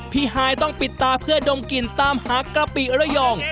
ฮายต้องปิดตาเพื่อดมกลิ่นตามหากะปิระยอง